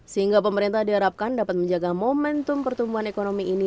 sehingga pemerintah diharapkan dapat menjaga momentum pertumbuhan ekonomi ini